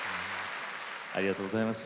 ありがとうございます。